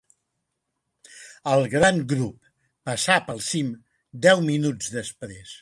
El gran grup passà pel cim deu minuts després.